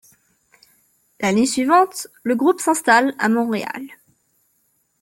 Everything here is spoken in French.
L'année suivante, le groupe s'installe à Montréal.